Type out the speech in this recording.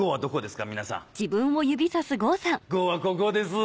ここですか？